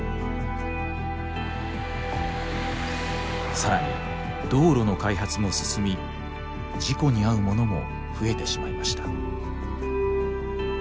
さらに道路の開発も進み事故に遭うものも増えてしまいました。